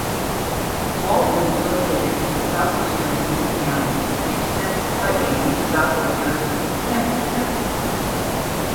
Walton is located in southeastern Boone County and extends slightly into southwestern Kenton County.